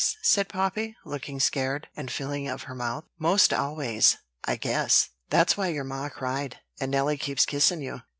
said Poppy, looking scared, and feeling of her mouth. "'Most always, I guess. That's why your ma cried, and Nelly keeps kissin' you."